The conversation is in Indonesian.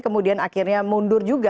kemudian akhirnya mundur juga